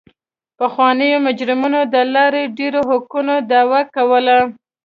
پخوانیو مجرمینو د لا ډېرو حقونو دعوه کوله.